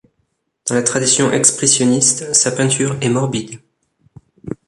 Dans la tradition expressionniste, sa peinture est morbide.